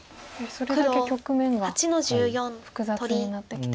それだけ局面が複雑になってきてるという。